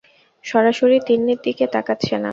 সরাসরি তিন্নির দিকে তাকাচ্ছে না।